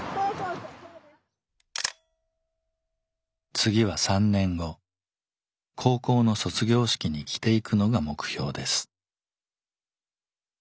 次は３年後高校の卒業式に着ていくのが目標です。